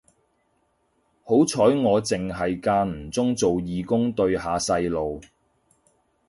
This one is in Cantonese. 好彩我剩係間唔中做義工對下細路